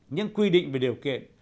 những quy định về điều kiện